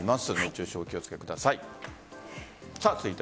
熱中症、お気を付けください。